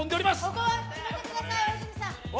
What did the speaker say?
ここは決めてください大泉さん。